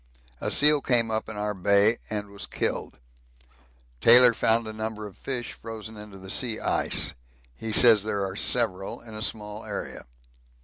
A seal came up in our Bay and was killed. Taylor found a number of fish frozen into the sea ice he says there are several in a small area.